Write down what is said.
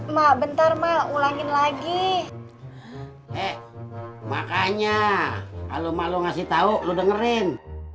mak bentar mau ulangin lagi makanya kalau mau ngasih tahu lu dengerin